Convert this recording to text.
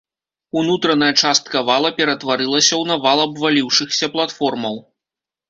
Унутраная частка вала ператварылася ў навал абваліўшыхся платформаў.